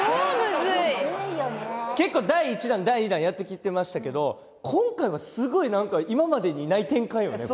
結構第１弾第２弾やってきてましたけど今回はすごい何か今までにない展開よね